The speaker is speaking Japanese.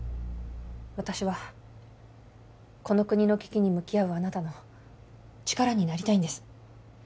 私はこの国の危機に向き合うあなたの力になりたいんです